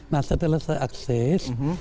nah setelah saya akses